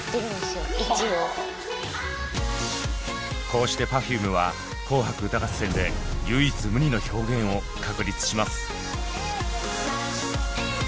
こうしてＰｅｒｆｕｍｅは「紅白歌合戦」で唯一無二の表現を確立します。